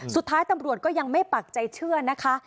สุดท้ายตำรวจก็ยังไม่ปักใจเชื่อนะคะ